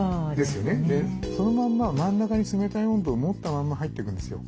そのまんま真ん中に冷たい温度を持ったまんま入っていくんですよ。